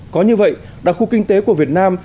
có như vậy đặc khu kinh tế của việt nam